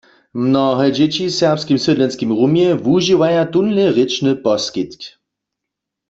Mnohe dźěći w serbskim sydlenskim rumje wužiwaja tónle rěčny poskitk.